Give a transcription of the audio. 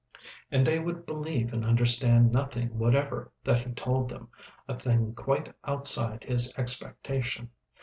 And they would believe and understand nothing whatever that he told them, a thing quite outside his expectation.